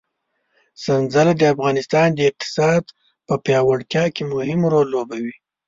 سنځله د افغانستان د اقتصاد په پیاوړتیا کې مهم رول لوبوي.